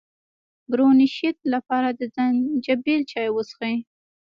د برونشیت لپاره د زنجبیل چای وڅښئ